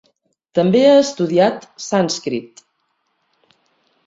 També ha estudiat sànscrit.